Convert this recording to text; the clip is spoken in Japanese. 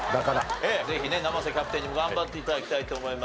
ぜひね生瀬キャプテンにも頑張って頂きたいと思います。